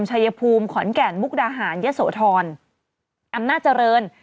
ชายภูมิขอนแก่นมุกดาหารยะโสธรอำนาจเจริญ